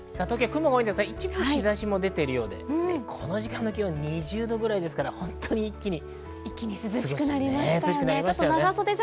東京は雲が多いですが、一部日差しも出ているようで、この時間の気温は２０度くらいですから、一気に。